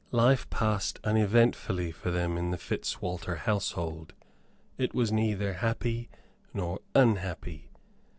Life passed uneventfully for them in the Fitzwalter household. It was neither happy nor unhappy.